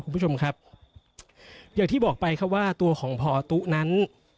คุณผู้ชมครับอย่างที่บอกไปครับว่าตัวของพอตุ๊นั้น